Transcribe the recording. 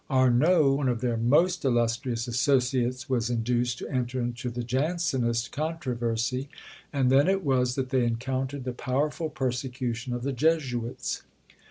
Arnauld, one of their most illustrious associates, was induced to enter into the Jansenist controversy, and then it was that they encountered the powerful persecution of the Jesuits.